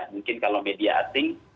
mungkin kalau media asing